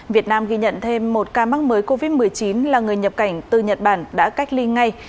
việt nam ghi nhận thêm một ca mắc mới covid một mươi chín là người nhập cảnh từ nhật bản đã cách ly ngay